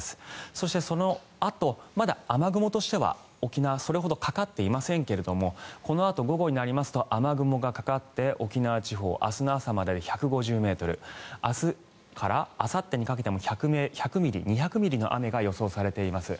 そして、そのあとまだ雨雲としては沖縄はそれほどかかっていませんがこのあと午後になりますと雨雲がかかって沖縄地方、明日の朝まで１５０ｍ明日からあさってにかけても１００ミリ、２００ミリの雨が予想されています。